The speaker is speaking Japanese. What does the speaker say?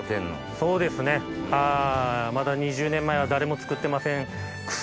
そうですねまだ２０年前は誰も作ってません。